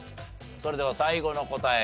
それでは最後の答え